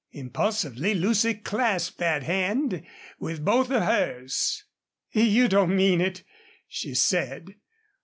Impulsively Lucy clasped that hand with both hers. "You don't mean it," she said.